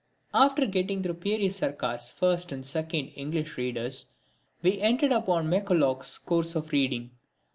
After getting through Peary Sarkar's first and second English readers we entered upon McCulloch's Course of Reading.